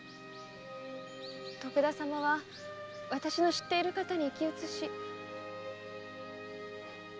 徳田様は私の知っている方に生き写し。